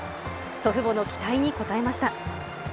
祖父母の期待に応えました。